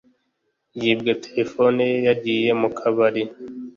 Yibwe telefoni ye yagiye mukabari